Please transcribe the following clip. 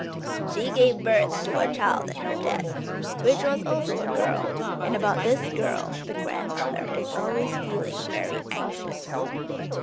"She gave birth to a child at her death, which was also a girl, and about this girl the grandmother is always feeling very anxious."